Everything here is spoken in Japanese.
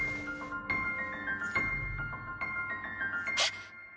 えっ！